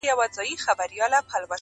خدایه ته مل سې د ناروغانو!!